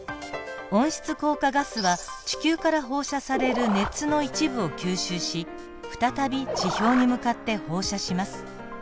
温室効果ガスは地球から放射される熱の一部を吸収し再び地表に向かって放射します。